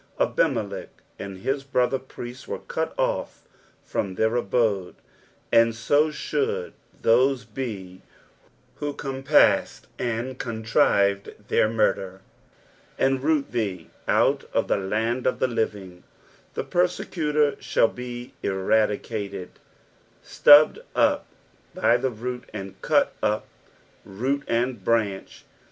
Ahinielech and his brother priests were cut off from their aliode, and so should those be who compassed and contrived their murder. "And root thee ovt of the land of the liciny.'" The persecutor shall be eradicated, stubbed up by the root, cut up root and branch.